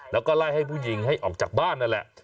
แล้วก็ไล่ให้ผู้หญิงให้ออกจากบ้านนั่นแหละ